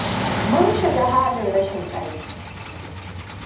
Mun shiga halin rashin ƙarfi.